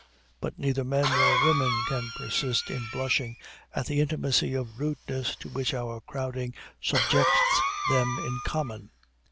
But neither men nor women can persist in blushing at the intimacy of rudeness to which our crowding subjects them in common.